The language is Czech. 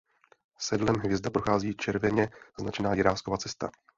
Sedlem Hvězda prochází červeně značená Jiráskova cesta.